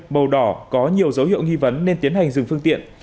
màu đỏ có nhiều dấu hiệu nghi vấn nên tiến hành dừng phương tiện